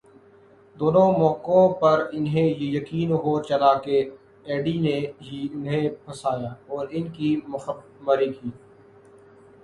دونوں موقعوں پر انھیں یہ یقین ہو چلا کہ ایڈی نے ہی انھیں پھنسایا اور ان کی مخبری کی ہے۔